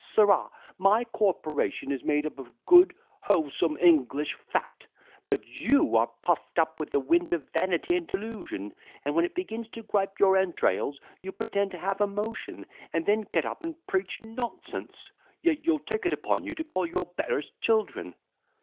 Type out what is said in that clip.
Sirrah! my corporation is made up of good, wholesome, English fat; but you are puffed up with the wind of vanity and delusion; and when it begins to gripe your entrails, you pretend to have a motion, and then get up and preach nonsense. Yet you'll take it upon you to call your betters children.